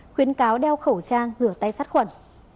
khuyến cáo đeo khẩu trang rửa tay sát khuẩn